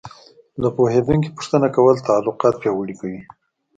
له پوهېدونکي پوښتنه کول تعلقات پیاوړي کوي.